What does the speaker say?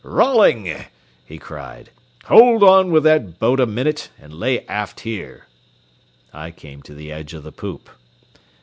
"Rolling," he cried, "hold on with that boat a minute, and lay aft here," I came to the edge of the poop.